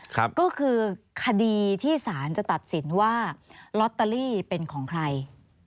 ก็คือคดีที่สารจะตัดสินว่าลอตเตอรี่เป็นของใคร